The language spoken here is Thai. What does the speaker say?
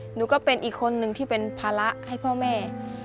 หนูก็เป็นอีกคนนึงที่เป็นภาระให้พ่อแม่